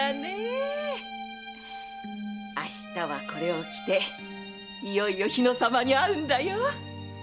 明日はこれを着ていよいよ日野様に会うんだよ。